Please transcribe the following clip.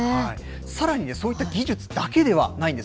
さらに、そういった技術だけではないんです。